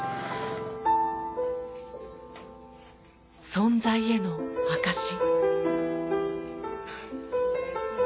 存在への証し。